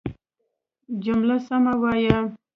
جمله سمه وايه!